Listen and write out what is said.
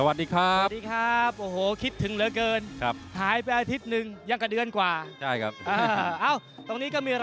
นี้จะรอว่ารภัยสมรรยากาศอกอรถแบบนี้